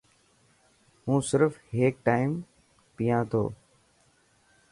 هون سرف هيڪ ٽائم پيا ٿو.